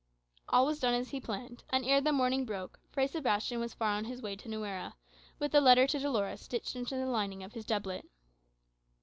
All was done as he planned; and ere the morning broke, Fray Sebastian was far on his way to Nuera, with the letter to Dolores stitched into the lining of his doublet.